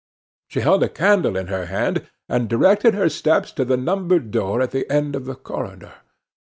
She held a candle in her hand, and directed her steps to the numbered door at the end of the corridor.